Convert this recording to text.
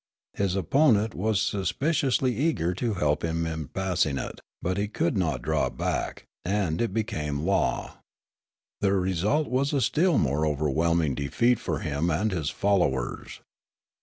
His opponent was sus piciously eager to help him in passing it; but he could not draw back ; and it became law. The result was a still more overwhelming defeat for him and his follow • ers.